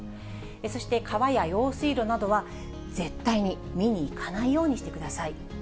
そして川や用水路などは、絶対に見に行かないようにしてください。